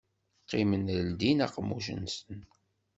Qqimen ldin aqemmuc-nsen.